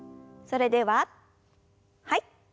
それでははい。